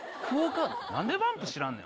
なんでバンプ知らんの。